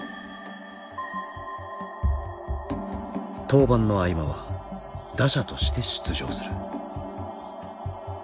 登板の合間は打者として出場する。